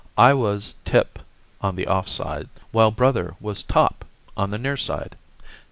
I was "Tip," on the off side; while brother was "Top," on the near side.